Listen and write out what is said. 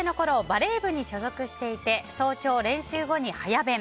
バレー部に所属していて早朝、練習後に早弁。